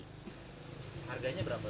sekarang bisa berapa